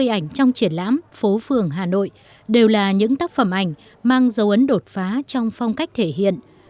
một trăm năm mươi ảnh trong triển lãm phố phường hà nội đều là những tác phẩm ảnh mang dấu ấn đột phá trong phong cách thể hiện